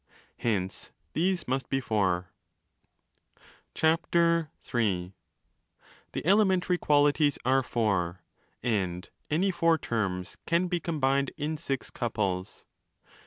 Hence these must be four. 30 The elementary qualities are four, and any four terms 3 can be combined in six couples.